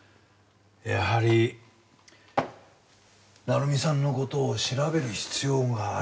やはり成美さんの事を調べる必要がありそうだね。